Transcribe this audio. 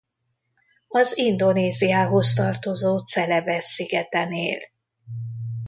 Az Indonéziához tartozó Celebesz szigeten él.